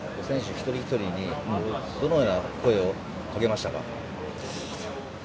一人一人にどのような声をかけましたか？